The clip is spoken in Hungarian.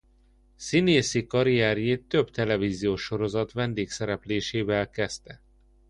Színészi karrierjét több televíziós sorozat vendégszereplésével kezdte.